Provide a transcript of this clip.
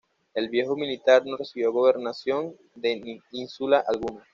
El viejo militar no recibió gobernación de ínsula alguna.